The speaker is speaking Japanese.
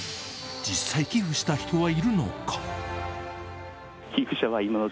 実際寄付した人はいるのか？